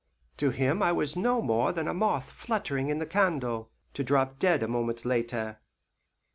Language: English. To him I was no more than a moth fluttering in the candle, to drop dead a moment later.